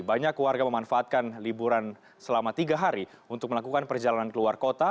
banyak warga memanfaatkan liburan selama tiga hari untuk melakukan perjalanan keluar kota